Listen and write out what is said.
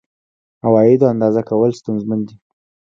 عوایدو اندازه کول ستونزمن دي.